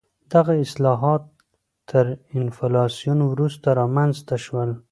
دغه اصلاحات تر انفلاسیون وروسته رامنځته شول.